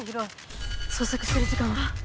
捜索してる時間は。